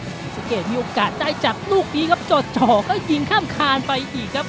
ศรีสะเกดมีโอกาสได้จากลูกนี้ครับจดจ่อก็ยิงข้ามคานไปอีกครับ